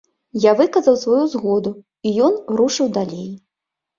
Я выказаў сваю згоду, і ён рушыў далей.